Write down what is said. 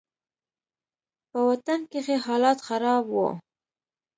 په وطن کښې حالات خراب وو.